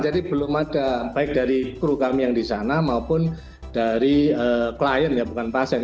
jadi belum ada baik dari kru kami yang di sana maupun dari klien bukan pasien